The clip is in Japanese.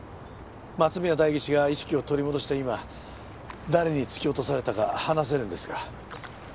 松宮代議士が意識を取り戻した今誰に突き落とされたか話せるんですから。